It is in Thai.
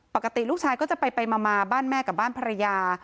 ปกติลูกชายก็จะไปมาบ้านแม่กับบ้านภรรยา